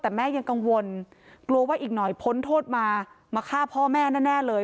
แต่แม่ยังกังวลกลัวว่าอีกหน่อยพ้นโทษมามาฆ่าพ่อแม่แน่เลย